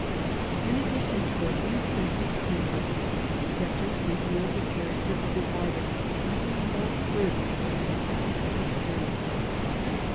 In addition to their intrinsic interest, sketches reveal the character of the artist even more clearly than his finished pictures.